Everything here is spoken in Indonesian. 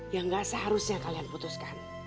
yang gak seharusnya kalian putuskan